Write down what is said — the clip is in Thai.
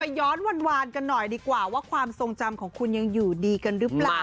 ย้อนวานกันหน่อยดีกว่าว่าความทรงจำของคุณยังอยู่ดีกันหรือเปล่า